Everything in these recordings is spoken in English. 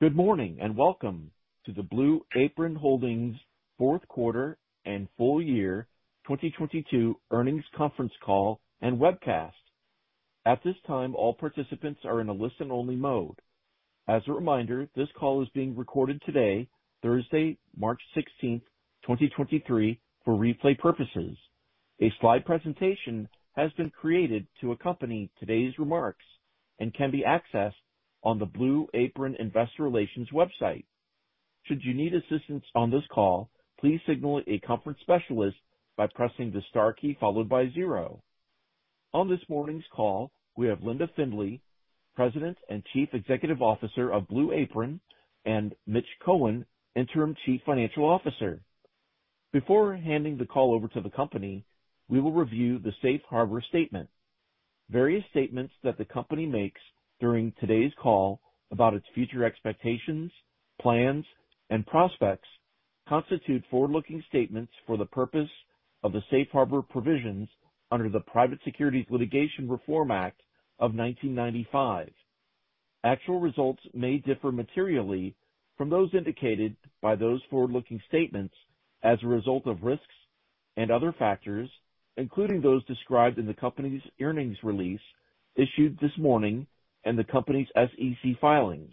Good morning. Welcome to the Blue Apron Holdings Fourth Quarter and Full Year 2022 Earnings Conference Call and webcast. At this time, all participants are in a listen-only mode. As a reminder, this call is being recorded today, Thursday, March 16th, 2023, for replay purposes. A slide presentation has been created to accompany today's remarks and can be accessed on the Blue Apron Investor Relations website. Should you need assistance on this call, please signal a conference specialist by pressing the star key followed by zero. On this morning's call, we have Linda Findley, President and Chief Executive Officer of Blue Apron, and Mitch Cohen, Interim Chief Financial Officer. Before handing the call over to the company, we will review the safe harbor statement. Various statements that the company makes during today's call about its future expectations, plans, and prospects constitute forward-looking statements for the purpose of the safe harbor provisions under the Private Securities Litigation Reform Act of 1995. Actual results may differ materially from those indicated by those forward-looking statements as a result of risks and other factors, including those described in the company's earnings release issued this morning and the company's SEC filings.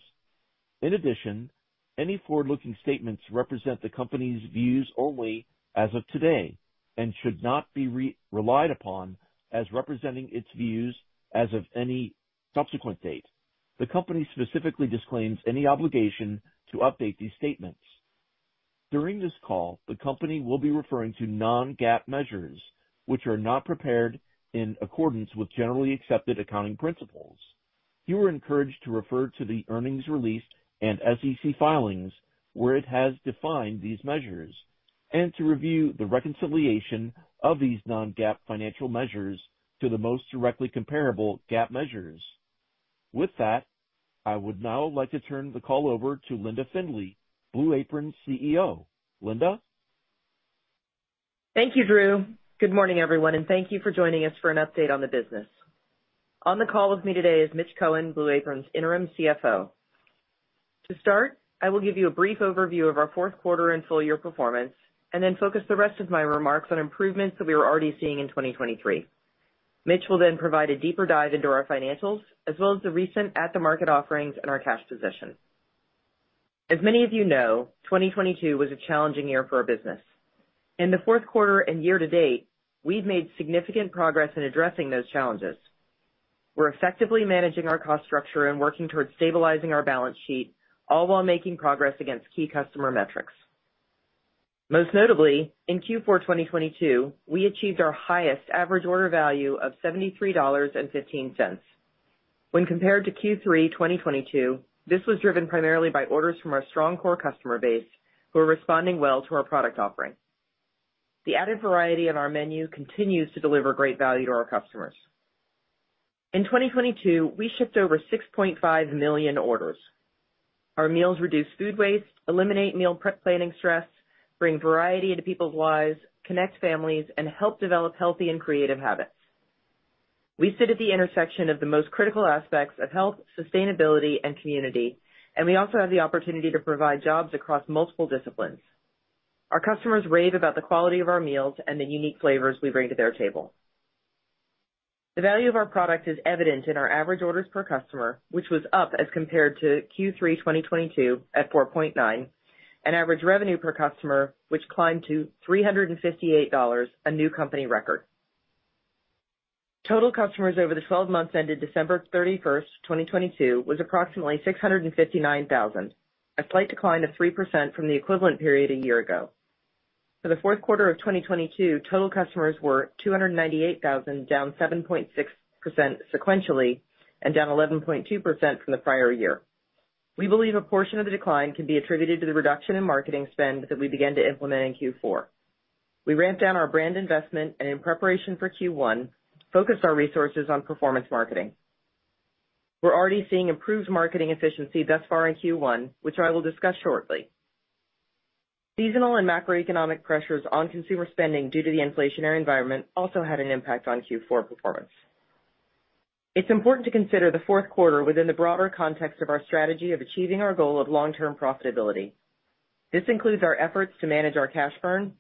In addition, any forward-looking statements represent the company's views only as of today and should not be re-relied upon as representing its views as of any subsequent date. The company specifically disclaims any obligation to update these statements. During this call, the company will be referring to non-GAAP measures, which are not prepared in accordance with generally accepted accounting principles. You are encouraged to refer to the earnings release and SEC filings where it has defined these measures, to review the reconciliation of these non-GAAP financial measures to the most directly comparable GAAP measures. With that, I would now like to turn the call over to Linda Findley, Blue Apron's CEO. Linda? Thank you, Drew. Good morning, everyone, thank you for joining us for an update on the business. On the call with me today is Mitch Cohen, Blue Apron's Interim CFO. To start, I will give you a brief overview of our fourth quarter and full year performance, then focus the rest of my remarks on improvements that we are already seeing in 2023. Mitch will provide a deeper dive into our financials, as well as the recent at-the-market offerings and our cash position. As many of you know, 2022 was a challenging year for our business. In the fourth quarter and year to date, we've made significant progress in addressing those challenges. We're effectively managing our cost structure and working towards stabilizing our balance sheet, all while making progress against key customer metrics. Most notably, in Q4 2022, we achieved our highest average order value of $73.15. When compared to Q3 2022, this was driven primarily by orders from our strong core customer base, who are responding well to our product offering. The added variety of our menu continues to deliver great value to our customers. In 2022, we shipped over 6.5 million orders. Our meals reduce food waste, eliminate meal prep planning stress, bring variety into people's lives, connect families, and help develop healthy and creative habits. We sit at the intersection of the most critical aspects of health, sustainability, and community, and we also have the opportunity to provide jobs across multiple disciplines. Our customers rave about the quality of our meals and the unique flavors we bring to their table. The value of our product is evident in our average orders per customer, which was up as compared to Q3 2022 at 4.9, and average revenue per customer, which climbed to $358, a new company record. Total customers over the 12 months ended December 31, 2022, was approximately 659,000, a slight decline of 3% from the equivalent period a year ago. For the fourth quarter of 2022, total customers were 298,000, down 7.6% sequentially and down 11.2% from the prior year. We believe a portion of the decline can be attributed to the reduction in marketing spend that we began to implement in Q4. We ramped down our brand investment, and in preparation for Q1, focused our resources on performance marketing. We're already seeing improved marketing efficiency thus far in Q1, which I will discuss shortly. Seasonal and macroeconomic pressures on consumer spending due to the inflationary environment also had an impact on Q4 performance. It's important to consider the fourth quarter within the broader context of our strategy of achieving our goal of long-term profitability. This includes our efforts to manage our cash burn.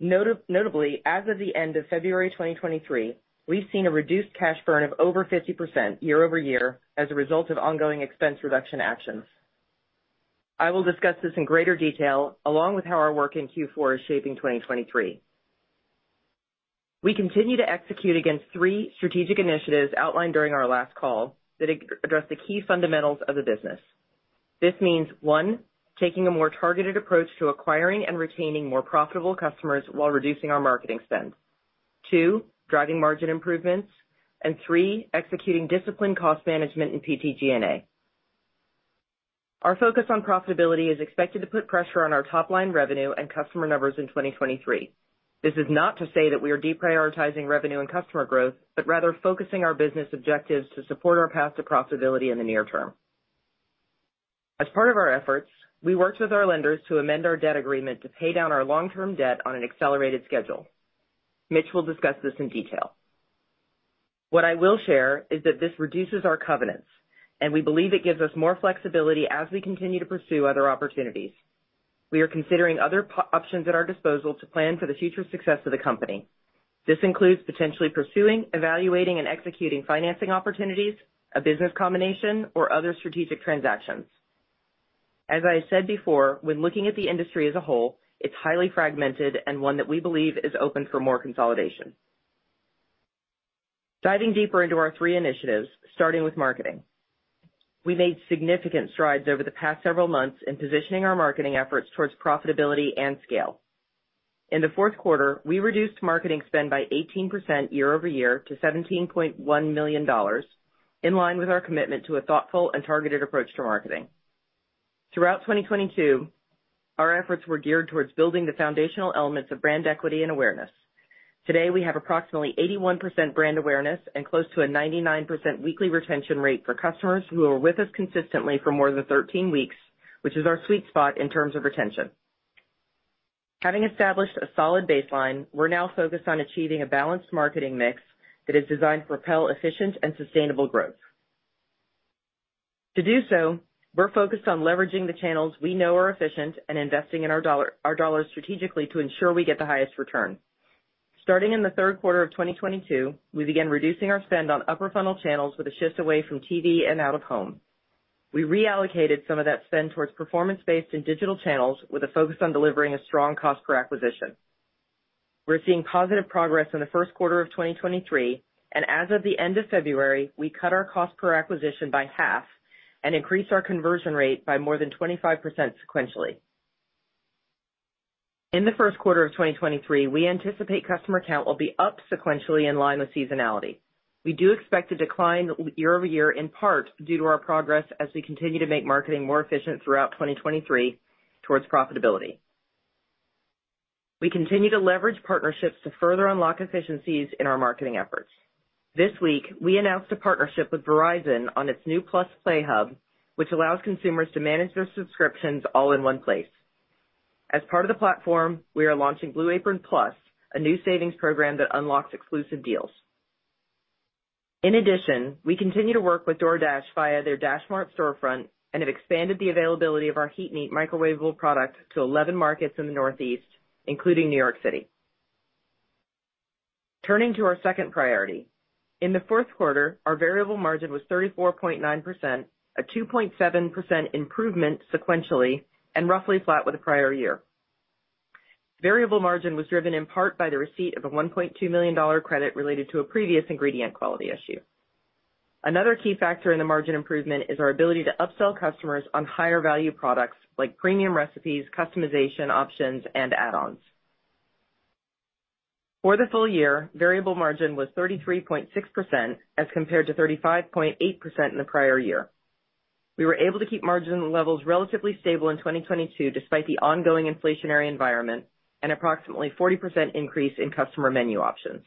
Notably, as of the end of February 2023, we've seen a reduced cash burn of over 50% year-over-year as a result of ongoing expense reduction actions. I will discuss this in greater detail, along with how our work in Q4 is shaping 2023. We continue to execute against three strategic initiatives outlined during our last call that address the key fundamentals of the business. This means, one, taking a more targeted approach to acquiring and retaining more profitable customers while reducing our marketing spend. Two, driving margin improvements. Three, executing disciplined cost management in PTG&A. Our focus on profitability is expected to put pressure on our top-line revenue and customer numbers in 2023. This is not to say that we are deprioritizing revenue and customer growth, but rather focusing our business objectives to support our path to profitability in the near term. As part of our efforts, we worked with our lenders to amend our debt agreement to pay down our long-term debt on an accelerated schedule. Mitch will discuss this in detail. What I will share is that this reduces our covenants, and we believe it gives us more flexibility as we continue to pursue other opportunities. We are considering other options at our disposal to plan for the future success of the company. This includes potentially pursuing, evaluating, and executing financing opportunities, a business combination, or other strategic transactions. As I said before, when looking at the industry as a whole, it's highly fragmented and one that we believe is open for more consolidation. Diving deeper into our three initiatives, starting with marketing. We made significant strides over the past several months in positioning our marketing efforts towards profitability and scale. In the fourth quarter, we reduced marketing spend by 18% year-over-year to $17.1 million, in line with our commitment to a thoughtful and targeted approach to marketing. Throughout 2022, our efforts were geared towards building the foundational elements of brand equity and awareness. Today, we have approximately 81% brand awareness and close to a 99% weekly retention rate for customers who are with us consistently for more than 13 weeks, which is our sweet spot in terms of retention. Having established a solid baseline, we're now focused on achieving a balanced marketing mix that is designed to propel efficient and sustainable growth. To do so, we're focused on leveraging the channels we know are efficient and investing in our dollars strategically to ensure we get the highest return. Starting in the third quarter of 2022, we began reducing our spend on upper funnel channels with a shift away from TV and out of home. We reallocated some of that spend towards performance-based and digital channels with a focus on delivering a strong CPA. We're seeing positive progress in the first quarter of 2023. As of the end of February, we cut our cost per acquisition by half and increased our conversion rate by more than 25% sequentially. In the first quarter of 2023, we anticipate customer count will be up sequentially in line with seasonality. We do expect a decline year-over-year, in part due to our progress as we continue to make marketing more efficient throughout 2023 towards profitability. We continue to leverage partnerships to further unlock efficiencies in our marketing efforts. This week, we announced a partnership with Verizon on its new +play, which allows consumers to manage their subscriptions all in one place. As part of the platform, we are launching Blue Apron PLUS, a new savings program that unlocks exclusive deals. We continue to work with DoorDash via their DashMart storefront and have expanded the availability of our Heat & Eat microwavable product to 11 markets in the Northeast, including New York City. Turning to our second priority. In the fourth quarter, our variable margin was 34.9%, a 2.7 improvement sequentially and roughly flat with the prior year. Variable margin was driven in part by the receipt of a $1.2 million credit related to a previous ingredient quality issue. Another key factor in the margin improvement is our ability to upsell customers on higher value products like premium recipes, customization options, and add-ons. For the full year, variable margin was 33.6% as compared to 35.8% in the prior year. We were able to keep margin levels relatively stable in 2022 despite the ongoing inflationary environment and approximately 40% increase in customer menu options.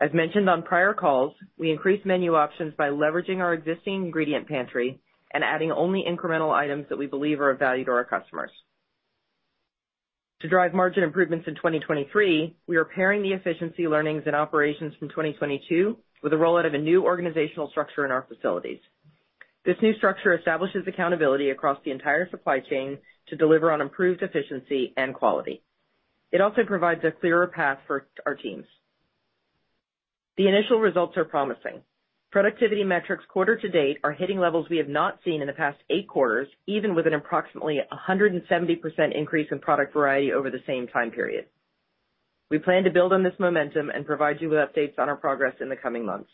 As mentioned on prior calls, we increased menu options by leveraging our existing ingredient pantry and adding only incremental items that we believe are of value to our customers. To drive margin improvements in 2023, we are pairing the efficiency learnings and operations from 2022 with the rollout of a new organizational structure in our facilities. This new structure establishes accountability across the entire supply chain to deliver on improved efficiency and quality. It also provides a clearer path for our teams. The initial results are promising. Productivity metrics quarter to date are hitting levels we have not seen in the past eight quarters, even with an approximately 170% increase in product variety over the same time period. We plan to build on this momentum and provide you with updates on our progress in the coming months.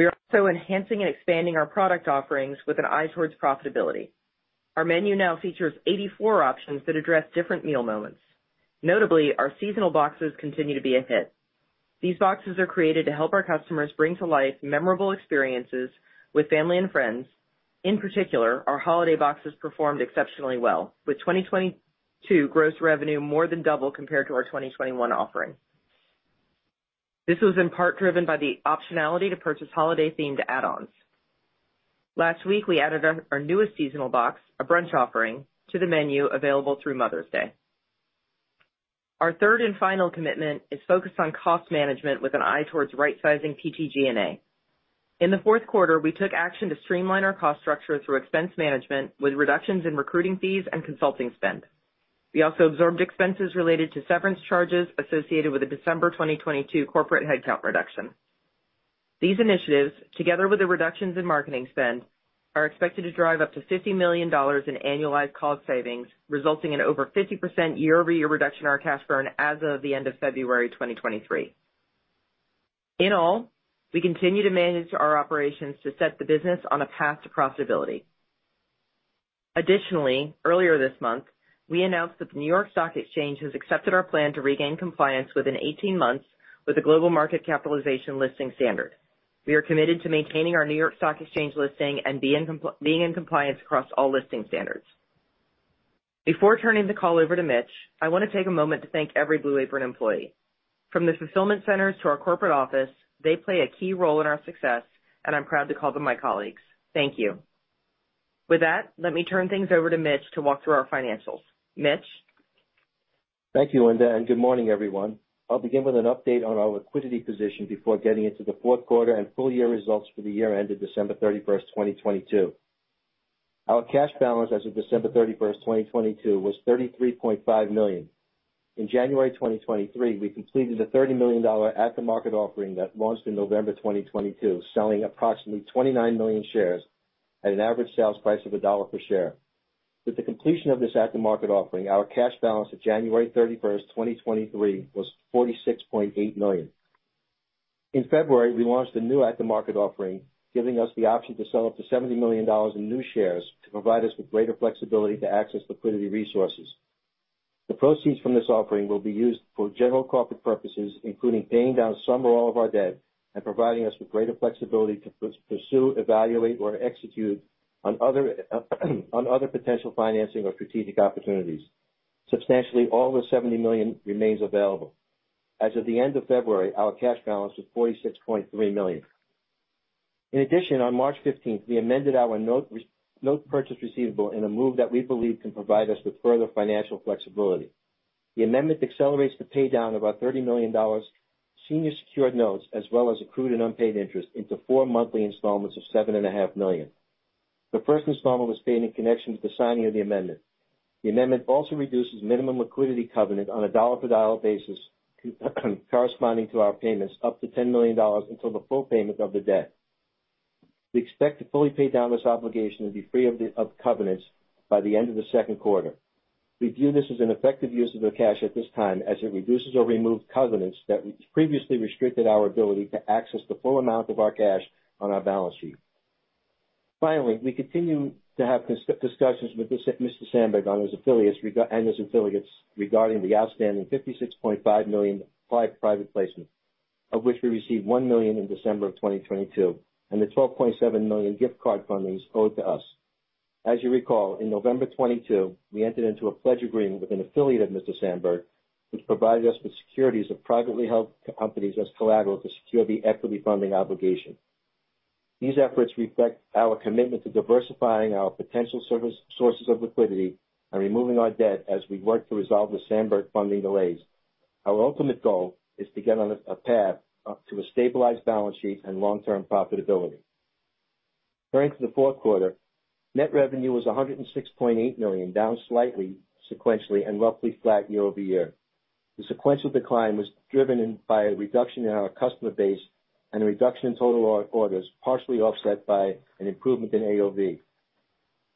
We are also enhancing and expanding our product offerings with an eye towards profitability. Our menu now features 84 options that address different meal moments. Notably, our seasonal boxes continue to be a hit. These boxes are created to help our customers bring to life memorable experiences with family and friends. In particular, our holiday boxes performed exceptionally well, with 2022 gross revenue more than double compared to our 2021 offering. This was in part driven by the optionality to purchase holiday-themed add-ons. Last week, we added our newest seasonal box, a brunch offering, to the menu available through Mother's Day. Our third and final commitment is focused on cost management with an eye towards right-sizing PTG&A. In the fourth quarter, we took action to streamline our cost structure through expense management with reductions in recruiting fees and consulting spend. We also absorbed expenses related to severance charges associated with the December 2022 corporate headcount reduction. These initiatives, together with the reductions in marketing spend, are expected to drive up to $50 million in annualized cost savings, resulting in over 50% year-over-year reduction in our cash burn as of the end of February 2023. We continue to manage our operations to set the business on a path to profitability. Earlier this month, we announced that the New York Stock Exchange has accepted our plan to regain compliance within 18 months with the global market capitalization listing standard. We are committed to maintaining our New York Stock Exchange listing and being in compliance across all listing standards. Before turning the call over to Mitch, I want to take a moment to thank every Blue Apron employee. From the fulfillment centers to our corporate office, they play a key role in our success, and I'm proud to call them my colleagues. Thank you. With that, let me turn things over to Mitch to walk through our financials. Mitch? Thank you, Linda, and good morning, everyone. I'll begin with an update on our liquidity position before getting into the fourth quarter and full year results for the year ended December 31st, 2022. Our cash balance as of December 31st, 2022 was $33.5 million. In January 2023, we completed a $30 million at-the-market offering that launched in November 2022, selling approximately 29 million shares at an average sales price of $1 per share. With the completion of this at-the-market offering, our cash balance at January 31st, 2023 was $46.8 million. In February, we launched a new at-the-market offering, giving us the option to sell up to $70 million in new shares to provide us with greater flexibility to access liquidity resources. The proceeds from this offering will be used for general corporate purposes, including paying down some or all of our debt and providing us with greater flexibility to pursue, evaluate, or execute on other potential financing or strategic opportunities. Substantially all of the $70 million remains available. As of the end of February, our cash balance was $46.3 million. In addition, on March 15th, we amended our note purchase agreement in a move that we believe can provide us with further financial flexibility. The amendment accelerates the pay down of our $30 million senior secured notes as well as accrued and unpaid interest into four monthly installments of $7.5 million. The first installment was paid in connection with the signing of the amendment. The amendment also reduces minimum liquidity covenant on a dollar for dollar basis corresponding to our payments up to $10 million until the full payment of the debt. We expect to fully pay down this obligation and be free of covenants by the end of the second quarter. We view this as an effective use of our cash at this time as it reduces or removes covenants that previously restricted our ability to access the full amount of our cash on our balance sheet. We continue to have discussions with Mr. Sanberg and his affiliates regarding the outstanding $56.5 million private placement, of which we received $1 million in December 2022, and the $12.7 million gift card fundings owed to us. As you recall, in November 2022, we entered into a pledge agreement with an affiliate of Mr. Sanberg, which provided us with securities of privately held companies as collateral to secure the equity funding obligation. These efforts reflect our commitment to diversifying our potential service sources of liquidity and removing our debt as we work to resolve the Sanberg funding delays. Our ultimate goal is to get on a path to a stabilized balance sheet and long-term profitability. Turning to the fourth quarter, net revenue was $106.8 million, down slightly sequentially and roughly flat year-over-year. The sequential decline was driven in by a reduction in our customer base and a reduction in total orders, partially offset by an improvement in AOV.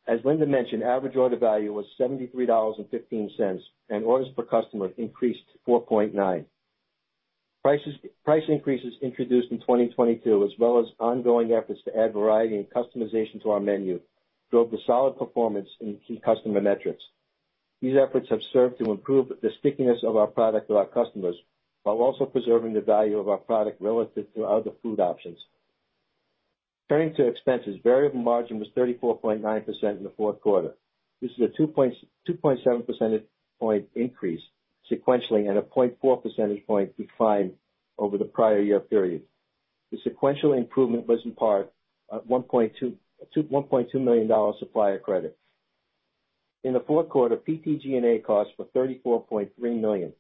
As Linda mentioned, average order value was $73.15, and orders per customer increased to 4.9. Price increases introduced in 2022, as well as ongoing efforts to add variety and customization to our menu, drove the solid performance in key customer metrics. These efforts have served to improve the stickiness of our product to our customers while also preserving the value of our product relative to other food options. Turning to expenses, variable margin was 34.9% in the fourth quarter. This is a 2.7 percentage point increase sequentially and a 0.4 percentage point decline over the prior year period. The sequential improvement was in part, $1.2 million supplier credit. In the fourth quarter, PTG&A costs were $34.3 million,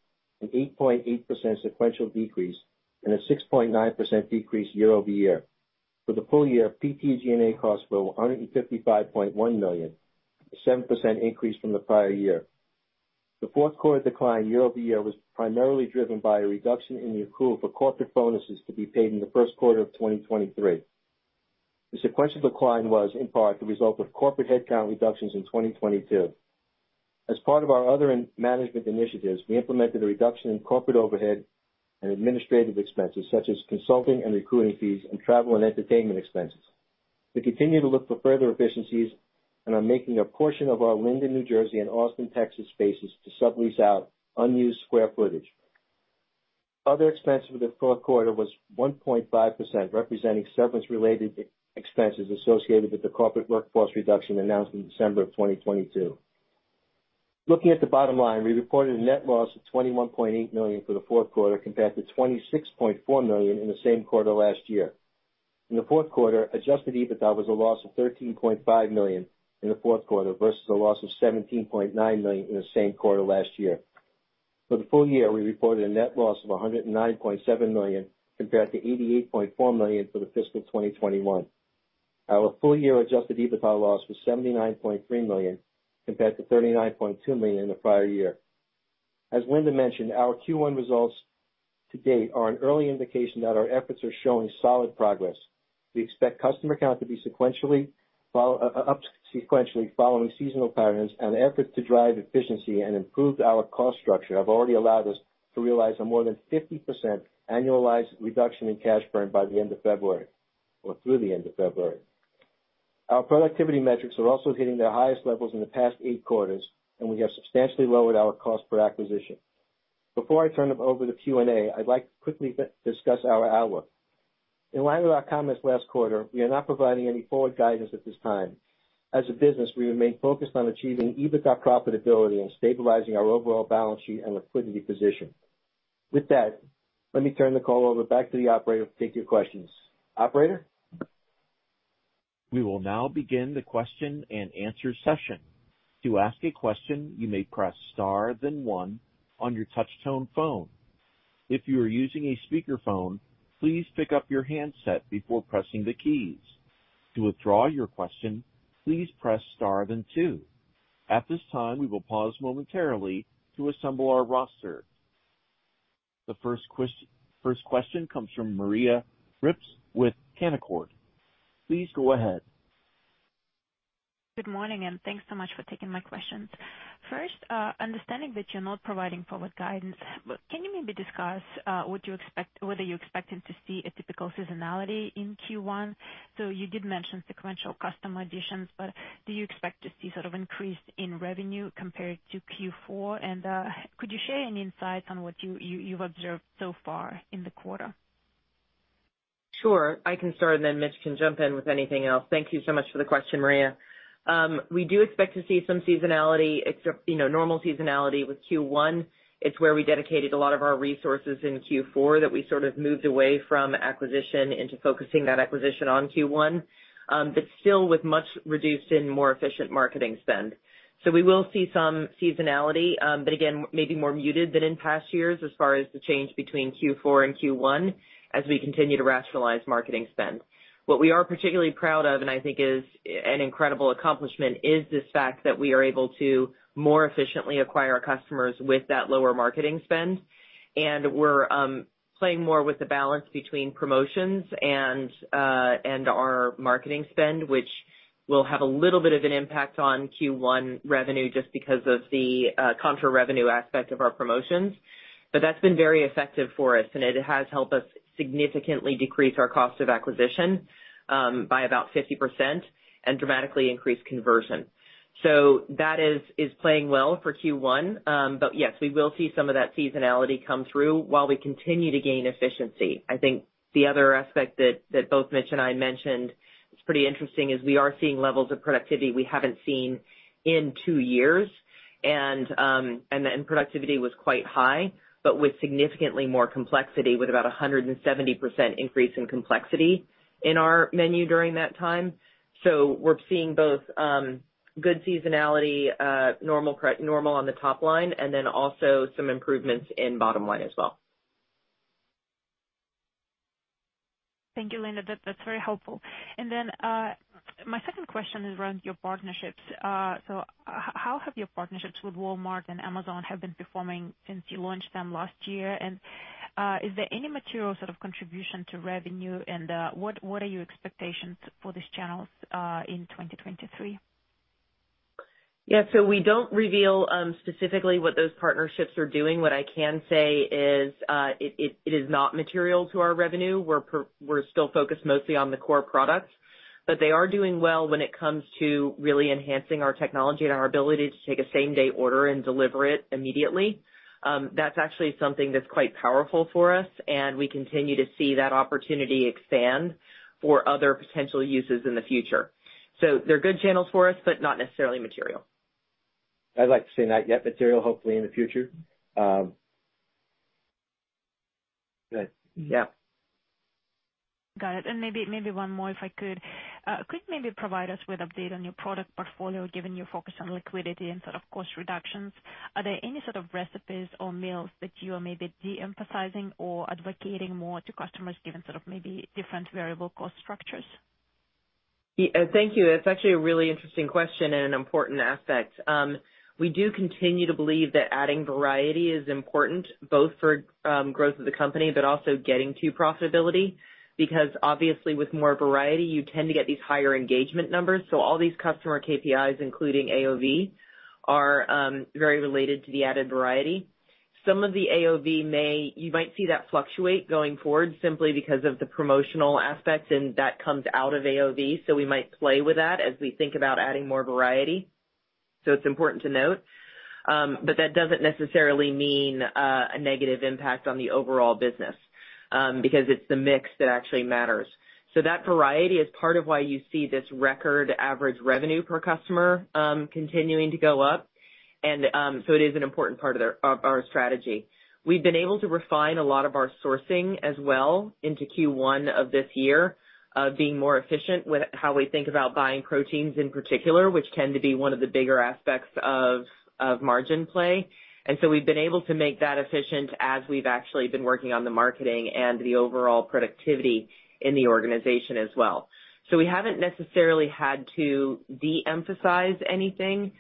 an 8.8% sequential decrease and a 6.9% decrease year-over-year. For the full year, PTG&A costs were $155.1 million, a 7% increase from the prior year. The fourth quarter decline year-over-year was primarily driven by a reduction in the accrual for corporate bonuses to be paid in the first quarter of 2023. The sequential decline was, in part, the result of corporate headcount reductions in 2022. As part of our other and management initiatives, we implemented a reduction in corporate overhead and administrative expenses such as consulting and recruiting fees and travel and entertainment expenses. We continue to look for further efficiencies and are making a portion of our Linden, New Jersey, and Austin, Texas, spaces to sublease out unused square footage. Other expenses for the fourth quarter was 1.5%, representing severance related expenses associated with the corporate workforce reduction announced in December of 2022. Looking at the bottom line, we reported a net loss of $21.8 million for the fourth quarter, compared to $26.4 million in the same quarter last year. In the fourth quarter, adjusted EBITDA was a loss of $13.5 million in the fourth quarter versus a loss of $17.9 million in the same quarter last year. For the full year, we reported a net loss of $109.7 million compared to $88.4 million for the fiscal 2021. Our full year adjusted EBITDA loss was $79.3 million compared to $39.2 million in the prior year. As Linda mentioned, our Q1 results to date are an early indication that our efforts are showing solid progress. We expect customer count to be sequentially following seasonal patterns and efforts to drive efficiency and improve our cost structure have already allowed us to realize a more than 50% annualized reduction in cash burn by the end of February or through the end of February. Our productivity metrics are also hitting their highest levels in the past eight quarters, and we have substantially lowered our Cost Per Acquisition. Before I turn it over to Q&A, I'd like to quickly discuss our outlook. In line with our comments last quarter, we are not providing any forward guidance at this time. As a business, we remain focused on achieving EBITDA profitability and stabilizing our overall balance sheet and liquidity position. Let me turn the call over back to the operator to take your questions. Operator? We will now begin the question and answer session. To ask a question, you may press star then 1 on your touchtone phone. If you are using a speakerphone, please pick up your handset before pressing the keys. To withdraw your question, please press star then two. At this time, we will pause momentarily to assemble our roster. The first question comes from Maria Ripps with Canaccord. Please go ahead. Good morning, thanks so much for taking my questions. First, understanding that you're not providing forward guidance, can you maybe discuss whether you're expecting to see a typical seasonality in Q1? You did mention sequential custom additions, do you expect to see sort of increase in revenue compared to Q4? Could you share any insights on what you've observed so far in the quarter? Sure. I can start, and then Mitch can jump in with anything else. Thank you so much for the question, Maria. We do expect to see some seasonality, except, you know, normal seasonality with Q1. It's where we dedicated a lot of our resources in Q4 that we sort of moved away from acquisition into focusing that acquisition on Q1, but still with much reduced and more efficient marketing spend. We will see some seasonality, but again, maybe more muted than in past years as far as the change between Q4 and Q1 as we continue to rationalize marketing spend. What we are particularly proud of, and I think is an incredible accomplishment, is the fact that we are able to more efficiently acquire our customers with that lower marketing spend. We're playing more with the balance between promotions and our marketing spend, which will have a little bit of an impact on Q1 revenue just because of the contra revenue aspect of our promotions. That's been very effective for us, and it has helped us significantly decrease our cost of acquisition by about 50% and dramatically increase conversion. That is playing well for Q1. Yes, we will see some of that seasonality come through while we continue to gain efficiency. I think the other aspect that both Mitch and I mentioned that's pretty interesting is we are seeing levels of productivity we haven't seen in two years. Productivity was quite high, but with significantly more complexity, with about a 170% increase in complexity in our menu during that time. We're seeing both, good seasonality, normal on the top line, and then also some improvements in bottom line as well. Thank you, Linda. That's very helpful. My second question is around your partnerships. So how have your partnerships with Walmart and Amazon have been performing since you launched them last year? Is there any material sort of contribution to revenue? What are your expectations for these channels in 2023? Yeah. We don't reveal specifically what those partnerships are doing. What I can say is, it is not material to our revenue. We're still focused mostly on the core products. They are doing well when it comes to really enhancing our technology and our ability to take a same-day order and deliver it immediately. That's actually something that's quite powerful for us, and we continue to see that opportunity expand for other potential uses in the future. They're good channels for us, but not necessarily material. I'd like to say not yet material. Hopefully in the future. Yeah. Got it. Maybe one more if I could. Could you maybe provide us with update on your product portfolio given your focus on liquidity and sort of cost reductions? Are there any sort of recipes or meals that you are maybe de-emphasizing or advocating more to customers given sort of maybe different variable cost structures? Yeah. Thank you. That's actually a really interesting question and an important aspect. We do continue to believe that adding variety is important both for growth of the company but also getting to profitability. Obviously with more variety, you tend to get these higher engagement numbers. All these customer KPIs, including AOV, are very related to the added variety. You might see that fluctuate going forward simply because of the promotional aspects, and that comes out of AOV. We might play with that as we think about adding more variety. It's important to note. That doesn't necessarily mean a negative impact on the overall business because it's the mix that actually matters. That variety is part of why you see this record average revenue per customer continuing to go up. So it is an important part of our strategy. We've been able to refine a lot of our sourcing as well into Q1 of this year, being more efficient with how we think about buying proteins in particular, which tend to be one of the bigger aspects of margin play. We've been able to make that efficient as we've actually been working on the marketing and the overall productivity in the organization as well. We haven't necessarily had to de-emphasize anything.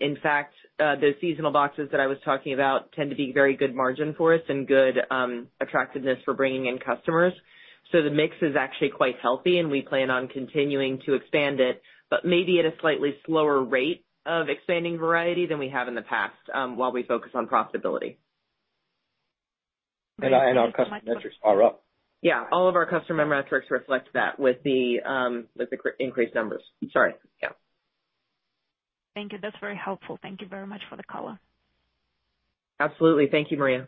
In fact, the seasonal boxes that I was talking about tend to be very good margin for us and good attractiveness for bringing in customers. The mix is actually quite healthy, and we plan on continuing to expand it, but maybe at a slightly slower rate of expanding variety than we have in the past, while we focus on profitability. Thank you very much. Our customer metrics are up. Yeah, all of our customer metrics reflect that with the, with the increased numbers. Sorry. Yeah. Thank you. That's very helpful. Thank you very much for the color. Absolutely. Thank you, Maria.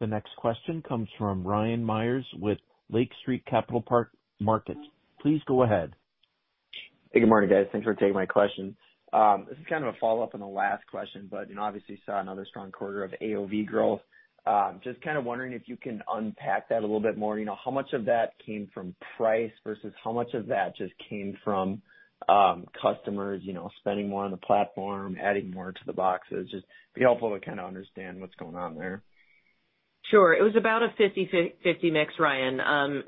The next question comes from Ryan Meyers with Lake Street Capital Markets. Please go ahead. Good morning, guys. Thanks for taking my questions. This is kind of a follow-up on the last question, but you know, obviously saw another strong quarter of AOV growth. Just kind of wondering if you can unpack that a little bit more. You know, how much of that came from price versus how much of that just came from customers, you know, spending more on the platform, adding more to the boxes? Just be helpful to kind of understand what's going on there. Sure. It was about a 50-50 mix, Ryan.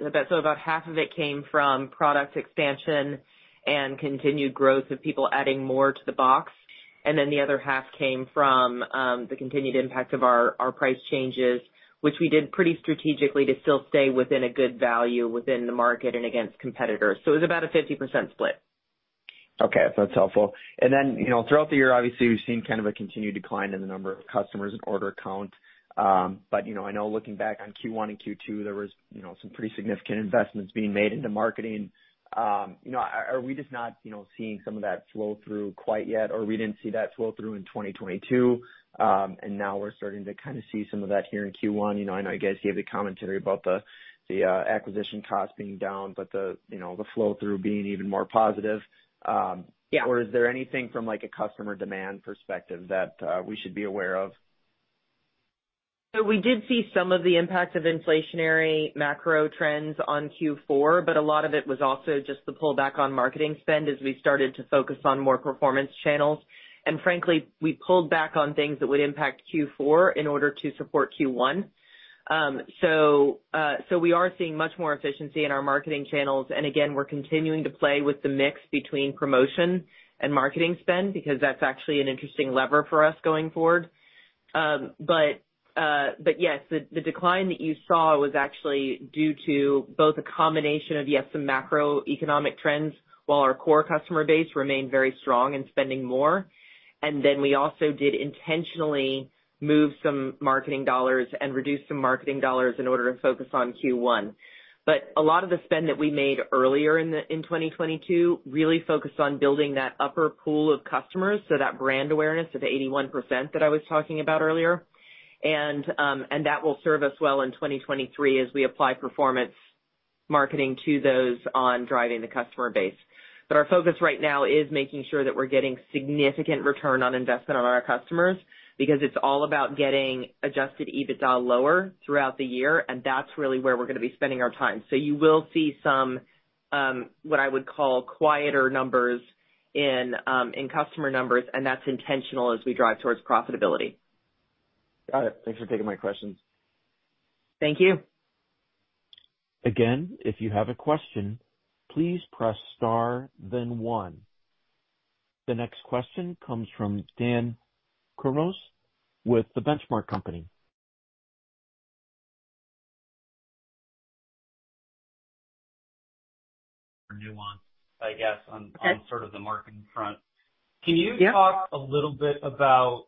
About half of it came from product expansion and continued growth of people adding more to the box, and then the other half came from the continued impact of our price changes, which we did pretty strategically to still stay within a good value within the market and against competitors. It was about a 50% split. Okay. That's helpful. Then, you know, throughout the year, obviously, we've seen kind of a continued decline in the number of customers and order count. But, you know, I know looking back on Q1 and Q2, there was, you know, some pretty significant investments being made into marketing. You know, are we just not, you know, seeing some of that flow through quite yet, or we didn't see that flow through in 2022, and now we're starting to kind of see some of that here in Q1? You know, I know you guys gave the commentary about the acquisition costs being down, but the, you know, the flow through being even more positive. Yeah. Is there anything from, like, a customer demand perspective that we should be aware of? We did see some of the impact of inflationary macro trends on Q4, but a lot of it was also just the pullback on marketing spend as we started to focus on more performance channels. Frankly, we pulled back on things that would impact Q4 in order to support Q1. We are seeing much more efficiency in our marketing channels. Again, we're continuing to play with the mix between promotion and marketing spend because that's actually an interesting lever for us going forward. Yes, the decline that you saw was actually due to both a combination of, yes, some macroeconomic trends while our core customer base remained very strong in spending more. We also did intentionally move some marketing dollars and reduce some marketing dollars in order to focus on Q1. A lot of the spend that we made earlier in 2022 really focused on building that upper pool of customers, so that brand awareness of 81% that I was talking about earlier. That will serve us well in 2023 as we apply performance marketing to those on driving the customer base. Our focus right now is making sure that we're getting significant return on investment on our customers because it's all about getting adjusted EBITDA lower throughout the year, and that's really where we're gonna be spending our time. You will see some what I would call quieter numbers in customer numbers, and that's intentional as we drive towards profitability. Got it. Thanks for taking my questions. Thank you. Again, if you have a question, please press star then one. The next question comes from Dan Kurnos with The Benchmark Company. For nuance, I guess on-. Okay. -sort of the marketing front. Yeah. Can you talk a little bit about,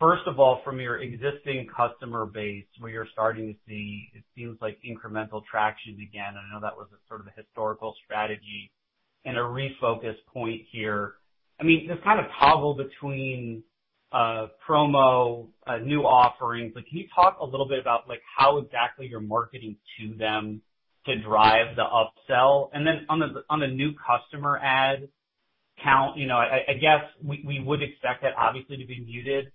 first of all, from your existing customer base where you're starting to see, it seems like incremental traction again, and I know that was a sort of a historical strategy and a refocus point here? I mean, just kind of toggle between promo, new offerings. Like, can you talk a little bit about, like, how exactly you're marketing to them to drive the upsell? And then on the new customer ad count, you know, I guess we would expect that obviously to be muted.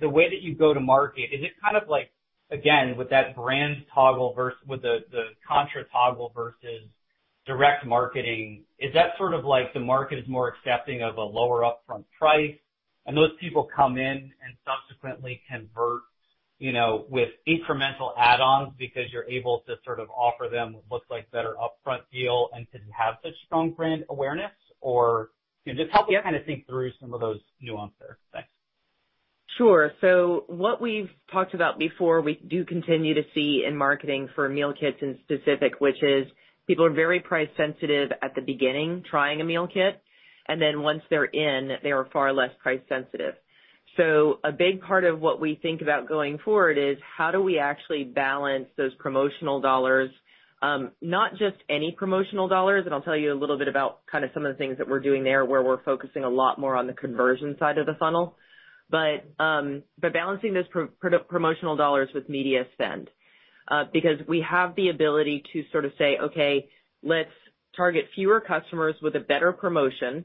The way that you go to market, is it kind of like, again, with that brand toggle with the contra toggle versus direct marketing, is that sort of like the market is more accepting of a lower upfront price and those people come in and subsequently convert, you know, with incremental add-ons because you're able to sort of offer them what looks like better upfront deal and since you have such strong brand awareness? Can just help me kind of think through some of those nuance there. Thanks. Sure. What we've talked about before, we do continue to see in marketing for meal kits in specific, which is people are very price sensitive at the beginning trying a meal kit, and then once they're in, they are far less price sensitive. A big part of what we think about going forward is how do we actually balance those promotional dollars? not just any promotional dollars, and I'll tell you a little bit about kind of some of the things that we're doing there, where we're focusing a lot more on the conversion side of the funnel. balancing those promotional dollars with media spend. We have the ability to sort of say, okay, let's target fewer customers with a better promotion,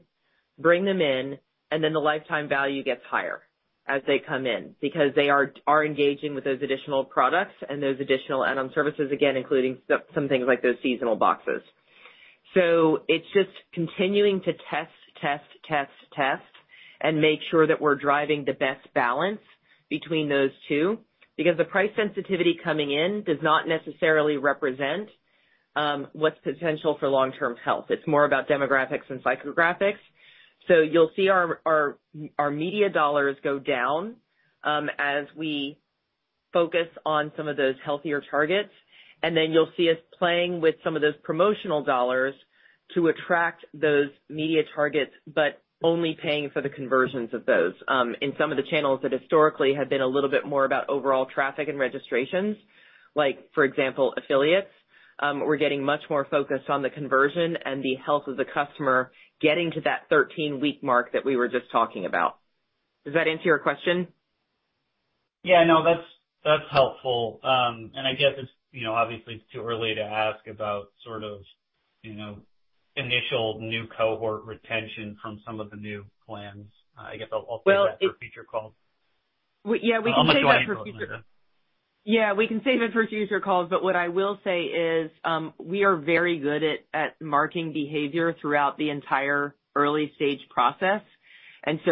bring them in, and then the lifetime value gets higher as they come in because they are engaging with those additional products and those additional add-on services, again, including some things like those seasonal boxes. It's just continuing to test, test and make sure that we're driving the best balance between those two. The price sensitivity coming in does not necessarily represent what's potential for long-term health. It's more about demographics and psychographics. You'll see our media dollars go down as we focus on some of those healthier targets. You'll see us playing with some of those promotional dollars to attract those media targets, but only paying for the conversions of those. In some of the channels that historically had been a little bit more about overall traffic and registrations, like for example, affiliates, we're getting much more focused on the conversion and the health of the customer getting to that 13-week mark that we were just talking about. Does that answer your question? Yeah, no, that's helpful. I guess it's, you know, obviously it's too early to ask about sort of, you know, initial new cohort retention from some of the new plans. I guess I'll save that for a future call. Well, Yeah, we can save it for a future- I'll let you answer that. Yeah, we can save it for future calls. What I will say is, we are very good at marking behavior throughout the entire early-stage process.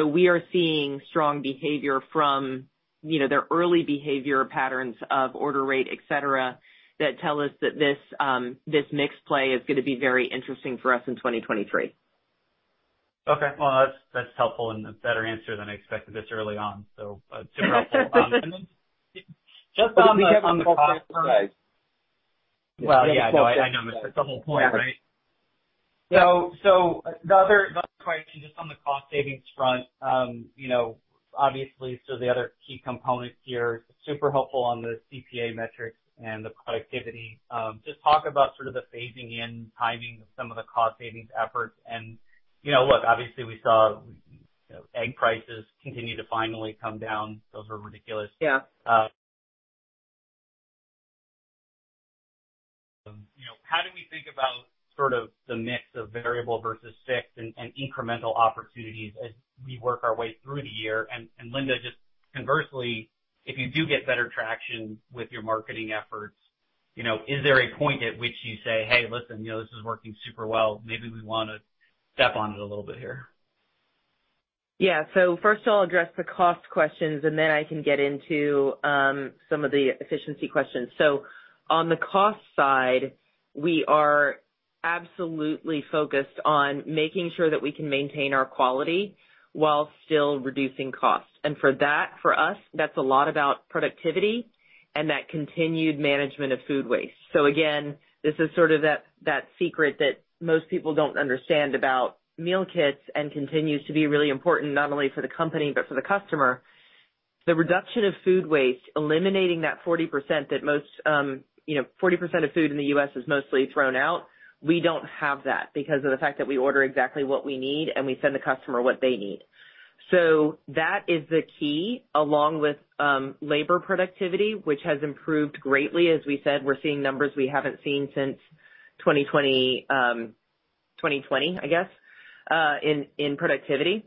We are seeing strong behavior from, you know, their early behavior patterns of order rate, et cetera, that tell us that this mix play is gonna be very interesting for us in 2023. Okay. Well, that's helpful and a better answer than I expected this early on. Super helpful. Just on the cost side. Be careful about their price. Well, yeah, no, I know. That's the whole point, right? Yeah. The other question, just on the cost savings front, you know, obviously, the other key component here, super helpful on the CPA metrics and the productivity. Just talk about sort of the phasing in timing of some of the cost savings efforts. You know, look, obviously we saw, you know, egg prices continue to finally come down. Those were ridiculous. Yeah. You know, how do we think about sort of the mix of variable versus fixed and incremental opportunities as we work our way through the year? Linda, just conversely, if you do get better traction with your marketing efforts, you know, is there a point at which you say, "Hey, listen, you know, this is working super well, maybe we wanna step on it a little bit here? Yeah. First of all, address the cost questions, and then I can get into some of the efficiency questions. On the cost side, we are absolutely focused on making sure that we can maintain our quality while still reducing costs. For that, for us, that's a lot about productivity and that continued management of food waste. Again, this is sort of that secret that most people don't understand about meal kits and continues to be really important not only for the company but for the customer. The reduction of food waste, eliminating that 40% that most, you know, 40% of food in the U.S. is mostly thrown out. We don't have that because of the fact that we order exactly what we need, and we send the customer what they need. That is the key, along with labor productivity, which has improved greatly. As we said, we're seeing numbers we haven't seen since 2020, I guess, in productivity.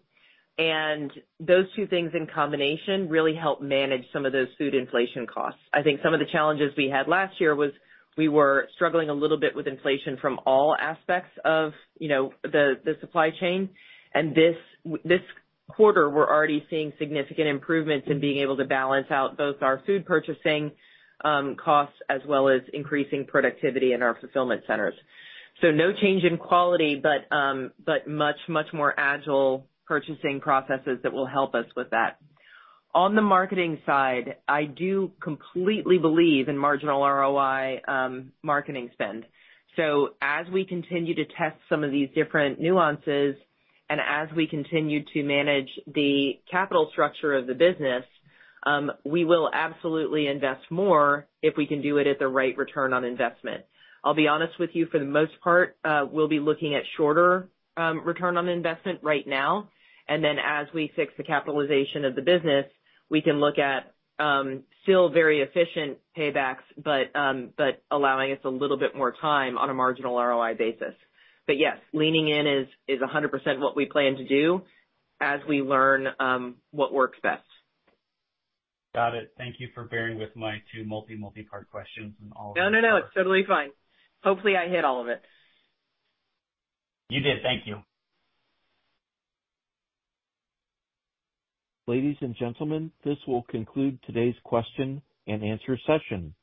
Those two things in combination really help manage some of those food inflation costs. I think some of the challenges we had last year was we were struggling a little bit with inflation from all aspects of, you know, the supply chain. This quarter, we're already seeing significant improvements in being able to balance out both our food purchasing costs as well as increasing productivity in our fulfillment centers. No change in quality, but much more agile purchasing processes that will help us with that. On the marketing side, I do completely believe in marginal ROI marketing spend. As we continue to test some of these different nuances and as we continue to manage the capital structure of the business, we will absolutely invest more if we can do it at the right return on investment. I'll be honest with you, for the most part, we'll be looking at shorter, return on investment right now, and then as we fix the capitalization of the business, we can look at, still very efficient paybacks, but allowing us a little bit more time on a marginal ROI basis. Yes, leaning in is a 100% what we plan to do as we learn what works best. Got it. Thank you for bearing with my two multi-part questions and all of that. No, no. It's totally fine. Hopefully, I hit all of it. You did. Thank you. Ladies and gentlemen, this will conclude today's question-and-answer session.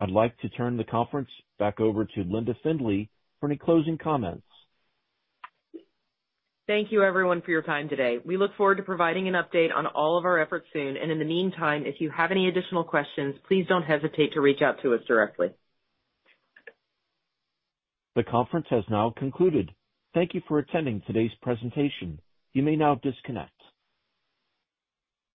I'd like to turn the conference back over to Linda Findley for any closing comments. Thank you everyone for your time today. We look forward to providing an update on all of our efforts soon. In the meantime, if you have any additional questions, please don't hesitate to reach out to us directly. The conference has now concluded. Thank you for attending today's presentation. You may now disconnect.